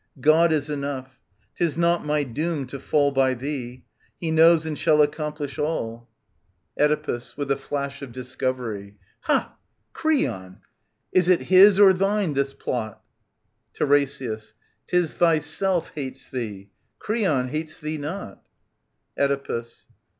God is enough. — 'Tis not my doom to fall By thee. He knows and shall accomplish all. 22 TV. 378 402 OEDIPUS, KING OF THEBES Oedipus {with a flash of discovery). Ha ! Creon !— Is it his or thine, this plot ? TiRESIAS. *Tis thyself hates thee. Creon hates thee not. Oedipus.